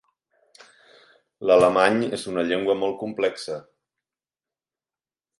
L'alemany és una llengua molt complexa.